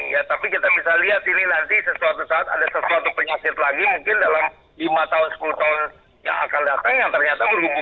ya tapi kita bisa lihat ini nanti sesuatu saat ada sesuatu penyakit lagi mungkin dalam lima tahun sepuluh tahun yang akan datang yang ternyata berhubungan